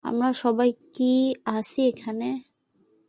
আমরা সবাই কি আছি এখানে?